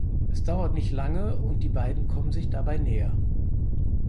Es dauert nicht lange und die beiden kommen sich dabei näher.